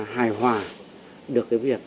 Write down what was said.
hài hòa được cái việc